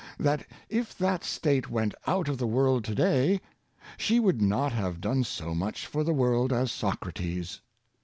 that if that State went out of the world to day, she would not have done so much for the world as Socrates.